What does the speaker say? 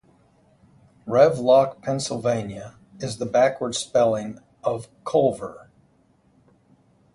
Revloc, Pennsylvania is the backwards-spelling of Colver.